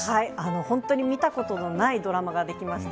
本当に見たことのないドラマができました。